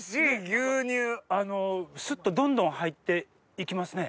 牛乳スッとどんどん入って行きますね。